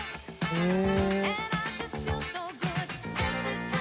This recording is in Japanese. うん。